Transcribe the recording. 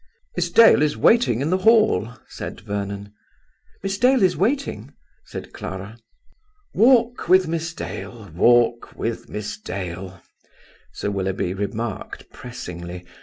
"Miss Dale is waiting in the hall," said Vernon. "Miss Dale is waiting?" said Clara. "Walk with Miss Dale; walk with Miss Dale," Sir Willoughby remarked, pressingly.